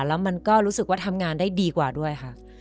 แล้วมันก็รู้สึกว่าทำงานได้ดีกว่าด้วยค่ะ